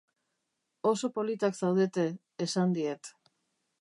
Oso politak zaudete, esan diet.